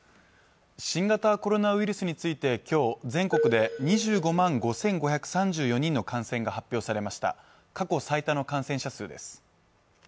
新型コロナウイルスについてきょう全国で２５万５５３４人の感染が発表されました過去最多の感染者数です